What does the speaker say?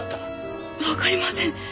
わかりません。